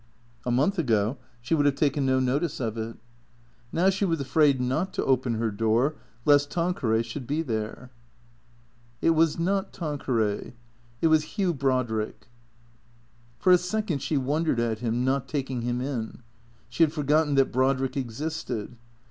A month ago she would have taken no notice of it. Now she was afraid not to open her door lest Tanqueray should be there. It was not Tanqueray. It was Hugh Brodrick. For a second she wondered at him, not taking him in. She had forgotten that Brodrick existed.